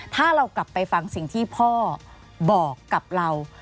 ถ้าเรากลับไปฟังสิ่งที่พ่อบอกกับเรา